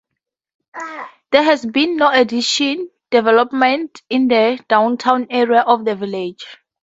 There has been no addition development in the downtown area of the village.